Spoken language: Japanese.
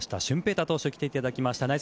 大投手に来ていただきました。